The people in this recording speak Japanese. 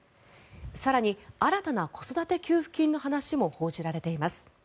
更に、新たな子育て給付金の話も報じられています。